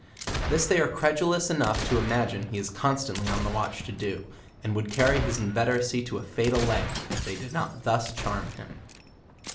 This they are credulous enough to imagine he is constantly on the watch to do, and would carry his inveteracy to a fatal length if they did not thus charm him.